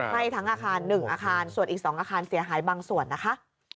ไหม้ทั้งอาคาร๑อาคารส่วนอีก๒อาคารเสียหายบางส่วนนะคะ